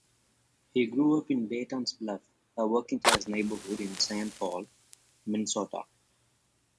He grew up in Dayton's Bluff, a working-class neighborhood in Saint Paul, Minnesota.